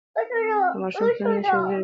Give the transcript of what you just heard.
د ماشوم د تنده نښې ژر وپېژنئ.